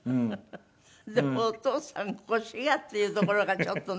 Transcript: でも「お父さん腰が」って言うところがちょっとね。